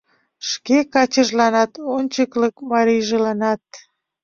Шке качыжланат, ончыклык марийжыланат!..